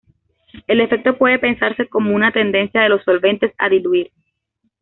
El efecto puede pensarse como una tendencia de los solventes a "diluir".